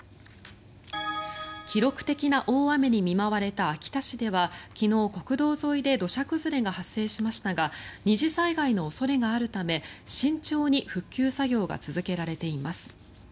記録的な大雨に見舞われた秋田市では昨日、国道沿いで土砂崩れが発生しましたが二次災害の恐れがあるため慎重に復旧作業が続けられています。